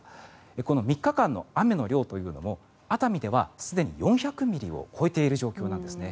この３日間の雨の量というのも熱海では、すでに４００ミリを超えている状況なんですね。